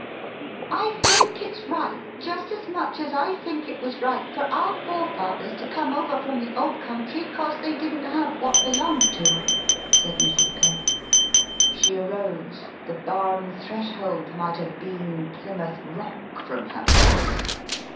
" I think it's right jest as much as I think it was right for our forefathers to come over from the old country 'cause they didn't have what belonged to 'em," [said Mrs. Penn]. She arose. [The barn threshold might have been Plymouth Rock from her bearing.